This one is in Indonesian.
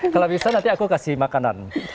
kalau bisa nanti aku kasih makanan